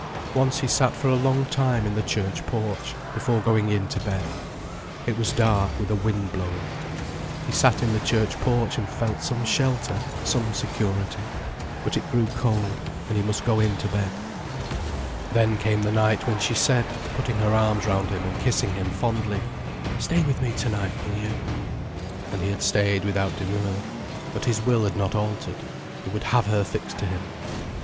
Once he sat for a long time in the church porch, before going in to bed. It was dark with a wind blowing. He sat in the church porch and felt some shelter, some security. But it grew cold, and he must go in to bed. Then came the night when she said, putting her arms round him and kissing him fondly: "Stay with me to night, will you?" And he had stayed without demur. But his will had not altered. He would have her fixed to him.